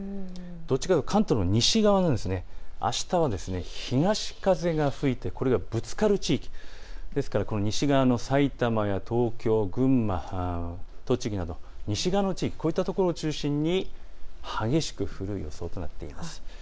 どちらかというと関東の西側、あしたは東風が吹いてこれがぶつかる地域ですから西側の埼玉や東京、群馬、栃木など西側の地域、こういったところを中心に激しく降る予想となっています。